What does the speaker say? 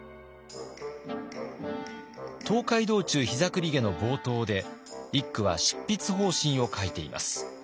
「東海道中膝栗毛」の冒頭で一九は執筆方針を書いています。